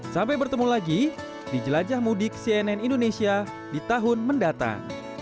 sampai bertemu lagi di jelajah mudik cnn indonesia di tahun mendatang